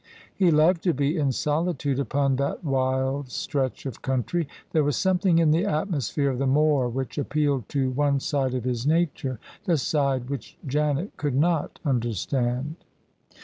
He loved to be in solitude upon that wild stretch of country: there was something in the atmosphere of the moor whicji appealed to one side of his nature — the side which Janet could not understand.